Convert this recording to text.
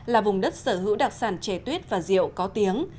là vùng đất sở hữu đặc sản trẻ tuyết và rượu có tiếng